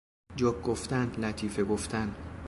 جوک گفتن، لطیفه گفتن